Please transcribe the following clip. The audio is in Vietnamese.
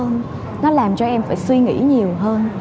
nó làm cho em phải suy nghĩ nhiều hơn